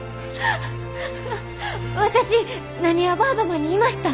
私なにわバードマンにいました！